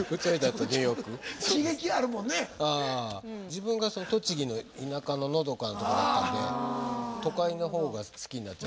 自分が栃木の田舎ののどかなとこだったんで都会のほうが好きになっちゃって。